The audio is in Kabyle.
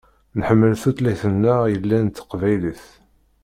Nḥemmel tutlayt-nneɣ yellan d taqbaylit.